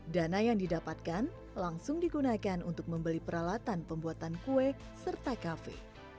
dana yang didapatkan langsung digunakan untuk membeli peralatan pembuatan kue serta kafe